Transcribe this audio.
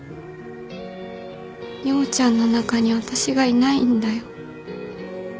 陽ちゃんの中に私がいないんだよ。